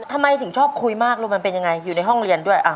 ทำไมถึงชอบคุยมากลูกมันเป็นยังไงอยู่ในห้องเรียนด้วย